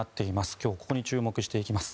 今日、ここに注目していきます。